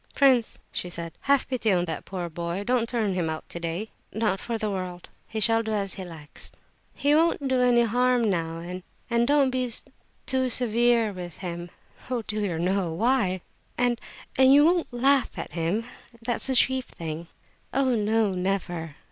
"Prince!" she said, "have pity on that poor boy; don't turn him out today." "Not for the world; he shall do just as he likes." "He won't do any harm now; and—and don't be too severe with him." "Oh dear no! Why—" "And—and you won't laugh at him? That's the chief thing." "Oh no! Never."